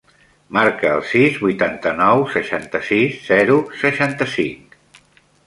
Marca el sis, vuitanta-nou, seixanta-sis, zero, seixanta-cinc.